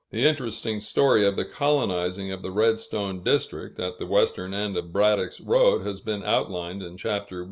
The interesting story of the colonizing of the Redstone district, at the western end of Braddock's Road, has been outlined in Chapter I.